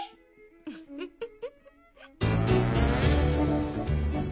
フフフ。